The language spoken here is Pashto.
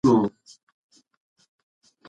ریښتیا تل ساده نه وي.